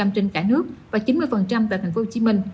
tám mươi trên cả nước và chín mươi tại tp hcm